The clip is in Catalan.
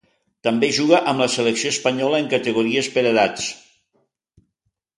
També juga amb la selecció espanyola en categories per edats.